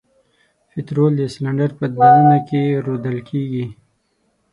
پطرول د سلنډر په د ننه کې رودل کیږي.